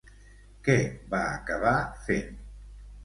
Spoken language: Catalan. Què va acabar fent?